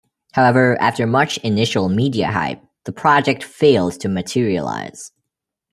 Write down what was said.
However, after much initial media hype, the project failed to materialise.